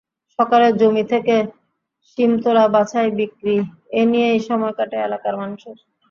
সকালে জমি থেকে শিম তোলা, বাছাই, বিক্রি—এ নিয়েই সময় কাটে এলাকার মানুষের।